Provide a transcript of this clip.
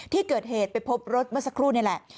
ที่เกิดเหตุไปพบรถเมื่อสักครู่นี่แหละ